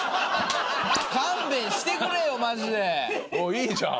いいじゃん！